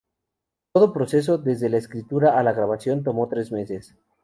Todo el proceso, desde la escritura a la grabación, tomó tres meses.